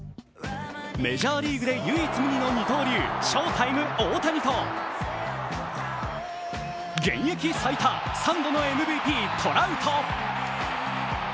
メジャーリーグで唯一無二の二刀流翔タイム・大谷と現役最多３度のＭＶＰ、トラウト。